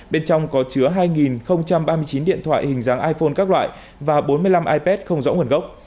bên trong có chứa hai ba mươi chín điện thoại hình dáng iphone các loại và bốn mươi năm ipad không rõ nguồn gốc